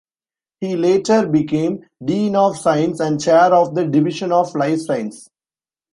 He later became Dean of Science and Chair of the Division of Life Sciences.